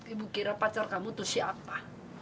ibu kira pacar kamu itu siapa